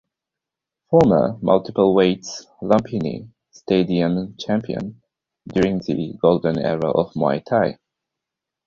Former multiple weights Lumpinee Stadium champion during the golden era of muay thai.